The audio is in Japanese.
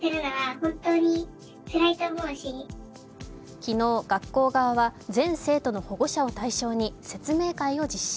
昨日、学校側は全生徒の保護者を対象に説明会を実施。